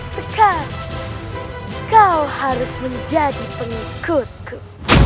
sekarang kau harus menjadi pengikutku